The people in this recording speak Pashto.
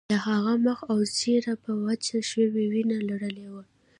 د هغه مخ او ږیره په وچه شوې وینه لړلي وو